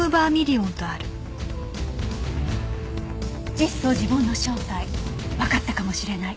実相寺梵の正体わかったかもしれない。